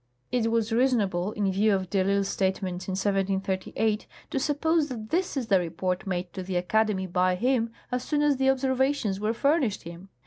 221 It was reasonable, in view of de I'Isle's statements in 1738, to suppose that tliis is the report made to the Academy by him as soon as the observations were furnished him.